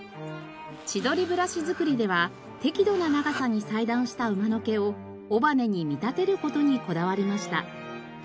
千鳥ブラシ作りでは適度な長さに裁断した馬の毛を尾羽に見立てる事にこだわりました。